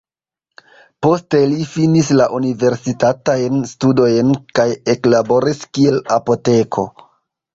Poste li finis la universitatajn studojn kaj eklaboris kiel apoteko.